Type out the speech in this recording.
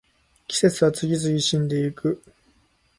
季節は次々死んでいく